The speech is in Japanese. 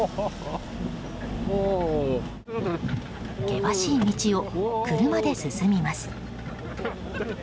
険しい道を車で進みます。